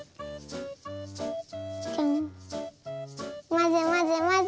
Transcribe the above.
まぜまぜまぜ。